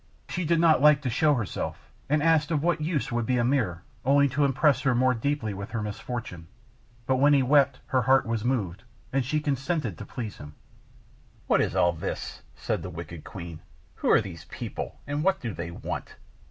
She did not like to show herself, and asked of what use would be a mirror, only to impress her more deeply with her misfortune; but when he wept, her heart was moved, and she consented, to please him. "What is all this?" said the wicked queen. "Who are these people? and what do they want?"